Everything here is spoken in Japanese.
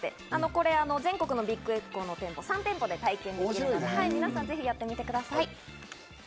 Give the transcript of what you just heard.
こちら全国のビッグエコーの３店舗で体験できるということです、皆さんやってみてください。